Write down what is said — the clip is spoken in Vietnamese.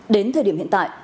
đến thời điểm hiện tại